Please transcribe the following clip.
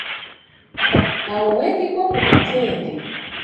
Wano wendigwa ku Katende.